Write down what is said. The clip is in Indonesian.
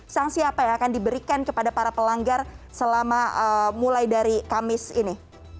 sanksi apa yang akan diberikan kepada para pelanggar selama mulai dari kamis ini